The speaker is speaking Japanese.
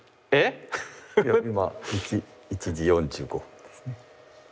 今１時４５分ですね。